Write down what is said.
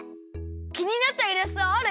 きになったイラストある？